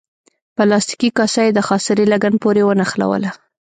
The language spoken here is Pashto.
پلاستیکي کاسه یې د خاصرې لګن پورې ونښلوله.